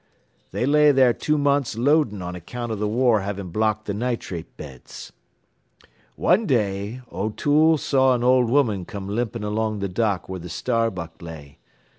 They lay there two months loadin' on account o' th' war having blocked th' nitrate beds. "Wan day O'Toole saw an old woman come limpin' along th' dock where th' Starbuck lay.